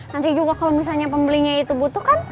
nanti juga kalau misalnya pembelinya itu butuhkan